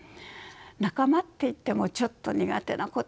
仲間っていってもちょっと苦手なことはあります。